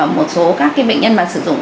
một số các cái bệnh nhân mà sử dụng